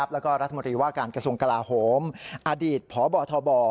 แล้วก็รัฐมนตรีว่าการกระทรวงกลาโหมอดีตพบทบ